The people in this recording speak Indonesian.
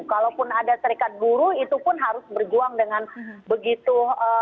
kalaupun ada serikat buruh itu pun harus berjuang dengan begitu